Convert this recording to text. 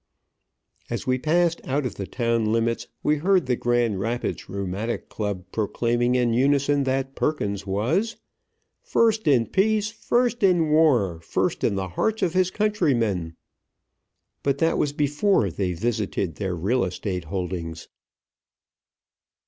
As we passed out of the town limits, we heard the Grand Rapids Rheumatic Club proclaiming in unison that Perkins was "First in peace! First in war! First in the hearts of his countrymen!" But that was before they visited their real estate holdings.